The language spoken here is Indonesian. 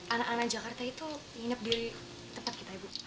anak anak jakarta itu nginep di tempat kita ibu